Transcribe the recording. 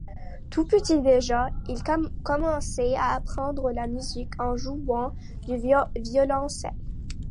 Tout petit déjà, il commençait à apprendre la musique en jouant du violoncelle.